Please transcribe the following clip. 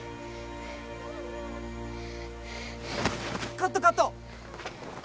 ・カットカット！